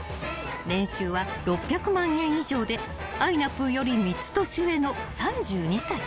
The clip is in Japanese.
［年収は６００万円以上であいなぷぅより３つ年上の３２歳］